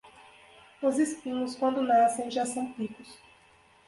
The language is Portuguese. Os espinhos, quando nascem, já são picos.